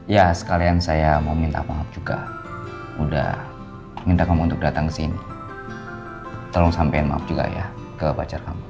ya sekalian saya mau minta maaf juga udah minta kamu untuk datang ke sini tolong sampaikan maaf juga ya ke pacar kamu